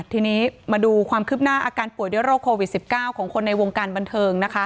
ทีนี้มาดูความคืบหน้าอาการป่วยด้วยโรคโควิด๑๙ของคนในวงการบันเทิง